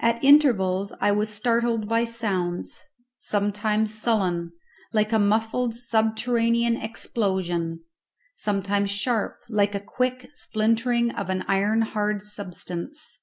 At intervals I was startled by sounds, sometimes sullen, like a muffled subterranean explosion, sometimes sharp, like a quick splintering of an iron hard substance.